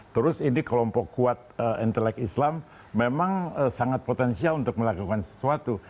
terus ini kelompok kuat intelek islam memang sangat potensial untuk melakukan sesuatu